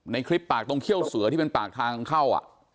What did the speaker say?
ในคลิปปากตรงเขี้ยวเสือที่เป็นปากทางเข้า